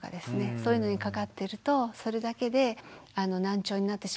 そういうのにかかってるとそれだけで難聴になってしまうこともありますし。